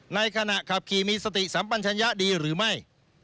ในขณะขับขี่มีสติสัมปัญชัญญะดีหรือไม่